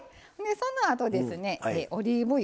そのあとですねオリーブ油。